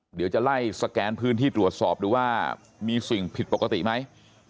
เดี๋ยวจะไล่สแกนพื้นที่ตรวจสอบดูว่ามีสิ่งผิดปกติไหม